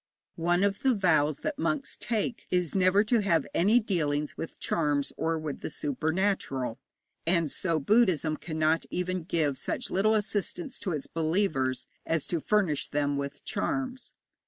One of the vows that monks take is never to have any dealings with charms or with the supernatural, and so Buddhism cannot even give such little assistance to its believers as to furnish them with charms.